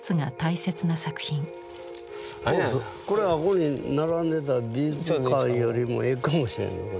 これあこに並んでた美術館よりもええかもしれんね